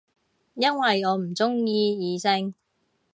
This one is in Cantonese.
因為我唔鍾意異性